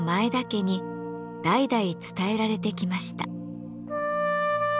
家に代々伝えられてきました。